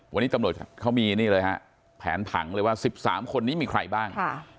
วันนี้ตำรวจเขามีนี่เลยฮะแผนผังเลยว่า๑๓คนนี้มีใครบ้าง